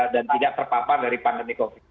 dan tidak terpapar dari pandemi covid